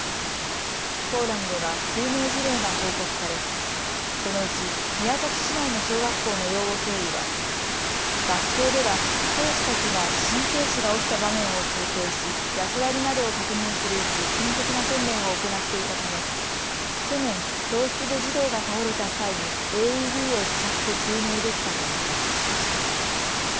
フォーラムでは救命事例が報告されこのうち宮崎市内の小学校の養護教諭は学校では教師たちが心停止が起きた場面を想定し、役割などを確認する実践的な訓練を行っていたため去年、教室で児童が倒れた際にＡＥＤを使って救命できたと報告しました。